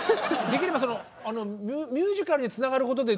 できればミュージカルにつながることで。